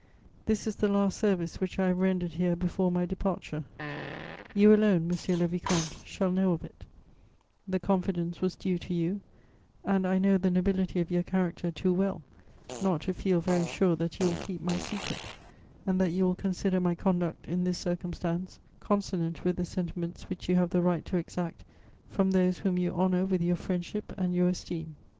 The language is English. This is the last service which I have rendered here before my departure; you alone, monsieur le vicomte, shall know of it; the confidence was due to you, and I know the nobility of your character too well not to feel very sure that you will keep my secret and that you will consider my conduct, in this circumstance, consonant with the sentiments which you have the right to exact from those whom you honour with your friendship and your esteem.